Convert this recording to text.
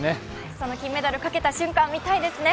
その金メダルをとった瞬間見たいですね。